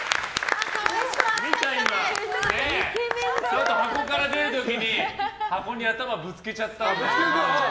ちょっと箱から出る時に箱に頭ぶつけちゃってたよ。